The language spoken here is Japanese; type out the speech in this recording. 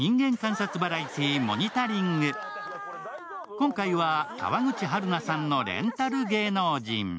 今回は川口春奈さんのレンタル芸能人。